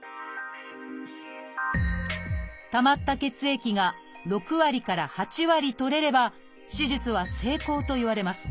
たまった血液が６割から８割取れれば手術は成功といわれます。